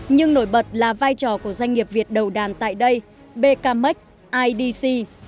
nhưng nổi bật là vai trò của doanh nghiệp việt đầu đàn tại đây becamec idc